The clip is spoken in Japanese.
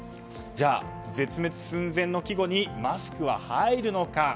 じゃあ、絶滅寸前の季語にマスクは入るのか。